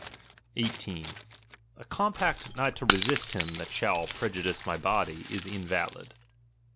18. A compact not to resist him that shall prejudice my body, is invalid.